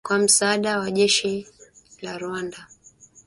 kwa msaada wa jeshi la Rwanda